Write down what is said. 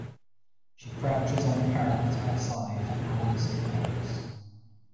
She crouches on the parapet outside for hours and hours.